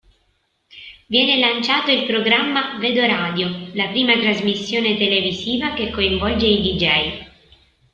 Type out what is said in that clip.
Viene lanciato il programma "Vedo radio", la prima trasmissione televisiva che coinvolge i dj.